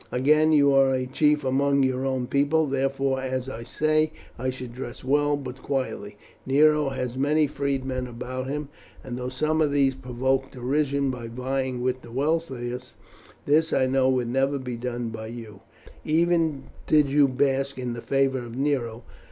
Again, you are a chief among your own people; therefore, as I say, I should dress well but quietly. Nero has many freedmen about him, and though some of these provoke derision by vying with the wealthiest, this I know would never be done by you, even did you bask in the favour of Nero.